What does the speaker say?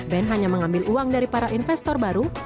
band hanya mengambil uang dari para investor baru